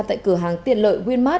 tại cửa hàng tiện lợi